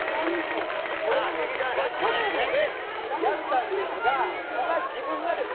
これ去年もねやったんですが今自分がですね